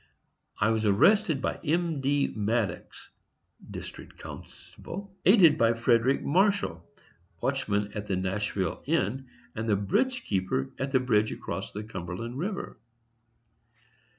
I was arrested by M. D. Maddox (district constable), aided by Frederick Marshal, watchman at the Nashville Inn, and the bridge keeper, at the bridge across the Cumberland river.